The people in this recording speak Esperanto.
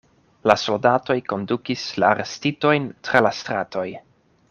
La soldatoj kondukis la arestitojn tra la stratoj.